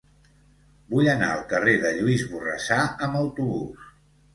Vull anar al carrer de Lluís Borrassà amb autobús.